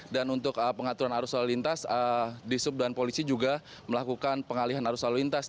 dan untuk pengaturan arus lalu lintas disub dan polisi juga melakukan pengalihan arus lalu lintas